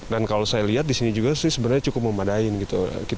dan kalau saya lihat di sini juga sih sebenarnya cukup memadain gitu